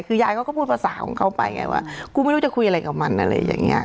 คือยายเขาก็พูดภาษาของเขาไปไงว่ากูไม่รู้จะคุยอะไรกับมันอะไรอย่างนี้